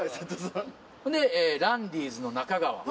ほんでランディーズの中川。